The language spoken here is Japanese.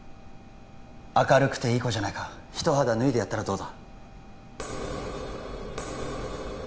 明るくていい子じゃないか一肌脱いでやったらどうだ？